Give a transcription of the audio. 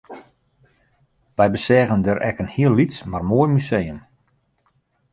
Wy beseagen dêr ek in hiel lyts mar moai museum